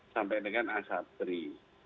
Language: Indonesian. sampai dengan asapri